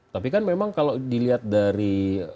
tapi kan memang kalau dilihat dari